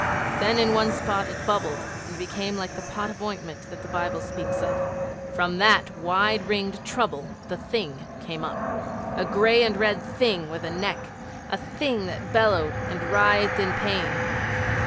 Then in one spot it bubbled and became like the pot of ointment that the Bible speaks of. From that wide ringed trouble the Thing came up a gray and red Thing with a neck a Thing that bellowed and writhed in pain.